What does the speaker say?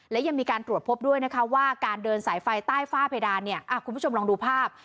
และยังมีการตรวจพบด้วยนะคะว่าการเดินสายไฟใต้ฝ้าเพดานเนี่ยคุณผู้ชมลองดูภาพ